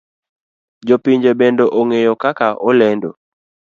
Jo pinje bende ong'eye kaka olendo.